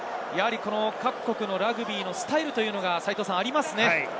各国のラグビーのスタイルというのがありますね。